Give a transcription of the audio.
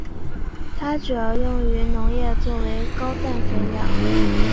它主要用于农业作为高氮肥料。